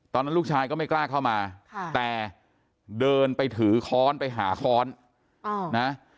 ตอนนั้นลูกชายก็ไม่กล้าเข้ามาแต่เดินไปถือค้อนไปหาค้อนนะ